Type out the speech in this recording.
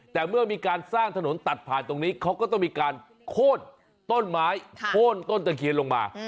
แต่เมื่อมีการสร้างถนนตัดผ่านตรงนี้เขาก็ต้องมีการโค้นต้นไม้โค้นต้นตะเคียนลงมา